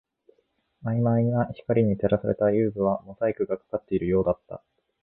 曖昧な光に照らされた遊具はモザイクがかかっているようだった